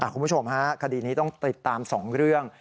คุณผู้ชมฮะคดีนี้ต้องติดตาม๒เรื่อง